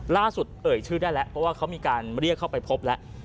เอ่ยชื่อได้แล้วเพราะว่าเขามีการเรียกเข้าไปพบแล้ว